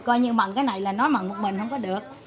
coi như mặn cái này là nói mặn một bình không có được